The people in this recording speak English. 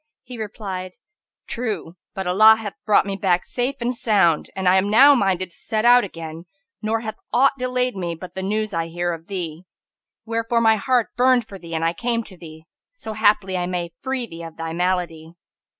He replied, "True! but Allah hath brought me back safe and sound, I am now minded to set out again nor hath aught delayed me but the news I hear of thee; wherefore my heart burned for thee and I came to thee, so haply I may free thee of thy malady."